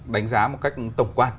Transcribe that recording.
đánh giá một cách tổng quan